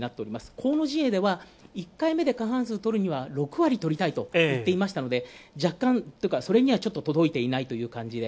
河野陣営では、１回目で過半数をとるには６割とりたいと言っていましたので若干、それにはちょっと届いていないという感じで。